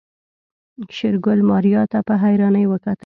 شېرګل ماريا ته په حيرانۍ وکتل.